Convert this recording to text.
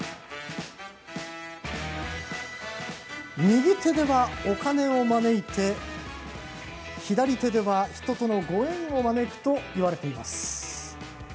右手はお金を招いて左手では人とのご縁を招くと言われています。